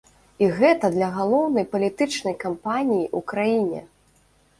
І гэта для галоўнай палітычнай кампаніі ў краіне!